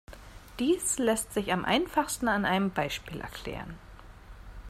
Dies lässt sich am einfachsten an einem Beispiel erklären.